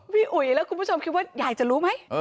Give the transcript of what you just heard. อุ๋ยแล้วคุณผู้ชมคิดว่ายายจะรู้ไหม